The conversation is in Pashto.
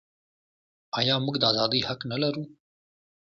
آیا موږ د ازادۍ حق نلرو؟